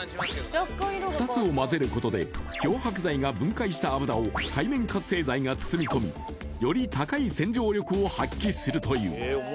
２つを混ぜることで漂白剤が分解した油を界面活性剤が包み込みより高い洗浄力を発揮するという。